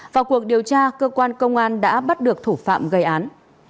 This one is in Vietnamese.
vào cuộc điều tra cơ quan công an đã bắt được thủ phạm gây án